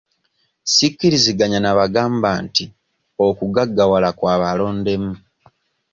Sikkiriziganya na bagamba nti okugaggawala kwa balondemu.